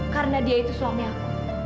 karena dia itu suami aku